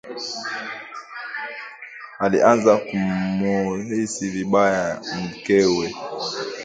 Alianza kumuhisi vibaya mkewe